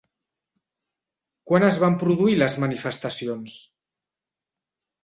Quan es van produir les manifestacions?